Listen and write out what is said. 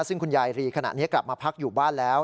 ซึ่งคุณยายรีขณะนี้กลับมาพักอยู่บ้านแล้ว